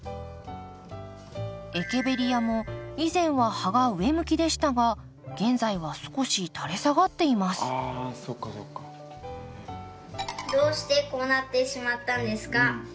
エケベリアも以前は葉が上向きでしたが現在は少し垂れ下がっていますどうしてこうなってしまったんですか？